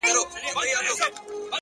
څوک ده چي راګوري دا و چاته مخامخ يمه _